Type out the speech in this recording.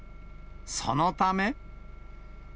そのため。